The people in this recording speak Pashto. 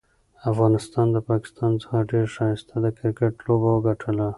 افغانستان ده پاکستان څخه ډيره ښايسته د کرکټ لوبه وګټله.